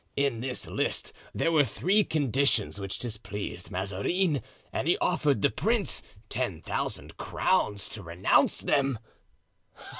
In this list there were three conditions which displeased Mazarin and he offered the prince ten thousand crowns to renounce them."